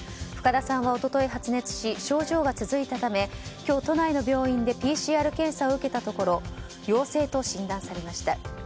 深田さんは一昨日発熱し症状が続いたため今日、都内の病院でＰＣＲ検査を受けたところ陽性と診断されました。